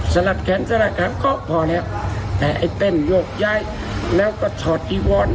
ลับแขนสลัดแขนก็พอแล้วแต่ไอ้เต้นโยกย้ายแล้วก็ถอดจีวอน